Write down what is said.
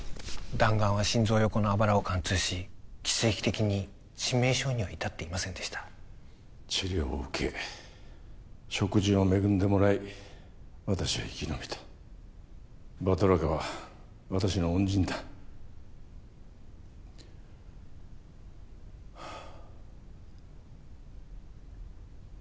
弾丸は心臓横のあばらを貫通し奇跡的に致命傷には至っていませんでした治療を受け食事を恵んでもらい私は生き延びたバトラカは私の恩人だはあ